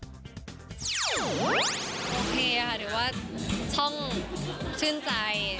โอเคค่ะเดี๋ยวว่าช่องชื่นใจ